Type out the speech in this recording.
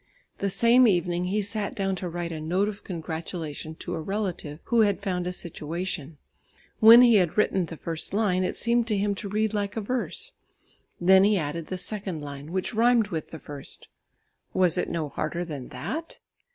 The same evening he sat down to write a note of congratulation to a relative who had found a situation. When he had written the first line, it seemed to him to read like a verse. Then he added the second line which rhymed with the first. Was it no harder than that?